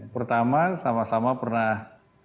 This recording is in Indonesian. pertama sama sama pernah